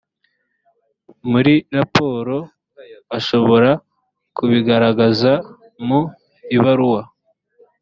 muri raporo ashobora kubigaragaza mu ibaruwa